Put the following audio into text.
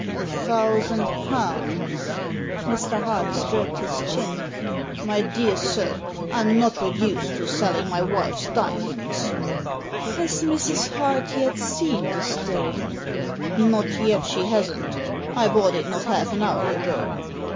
" A thousand pounds !" Mr. Hart stroked his chin. " My dear sir, I'm not reduced to selling my wife's diamonds." "Has Mrs. Hart yet seen the stone?" "Not yet she hasn't I bought it not half an hour ago."